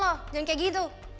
jangan kayak gitu